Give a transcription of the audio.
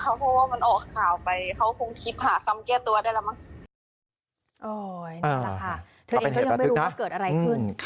เพราะว่ามันออกข่าวไปเขาคงคิดหาซ้ำเกลี้ยตัวได้แล้วมั้ง